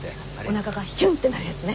おなかがヒュンってなるやつね。